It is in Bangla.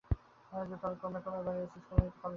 ক্রমে বয়স বাড়িয়াছে, ইস্কুল হইতে কলেজে গিয়াছি।